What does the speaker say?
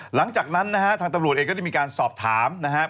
หลังจากนั้นนะฮะทางตำรวจเองก็ได้มีการสอบถามนะครับ